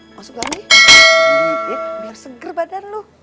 masukkan nih biar seger badan loh